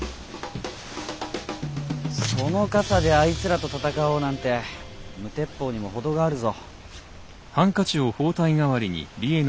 その傘であいつらと戦おうなんて無鉄砲にも程があるぞ。